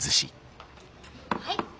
はい。